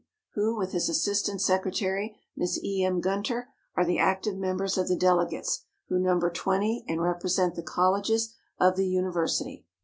who, with his assistant secretary, Miss E. M. Gunter, are the active members of the delegates, who number twenty and represent the colleges of the university.